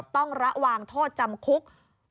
ต้องระวังโทษจำคุก